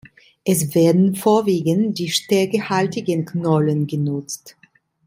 Es werden vorwiegend die stärkehaltigen Knollen genutzt.